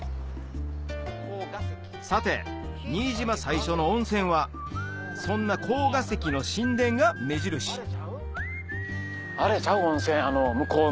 さて新島最初の温泉はそんなコーガ石の神殿が目印あれちゃう？